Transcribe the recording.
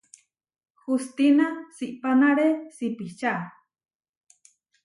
Hustína siʼpanáre sipičá.